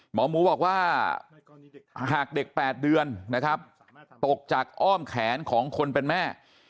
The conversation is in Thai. หมอหมูบอกว่าหากเด็ก๘เดือนนะครับตกจากอ้อมแขนของคนเป็นแม่